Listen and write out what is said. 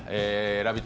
「ラヴィット！」